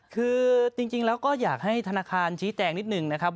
คือจริงแล้วก็อยากให้ธนาคารชี้แจงนิดหนึ่งนะครับ